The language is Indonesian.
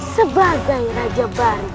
sebagai raja barik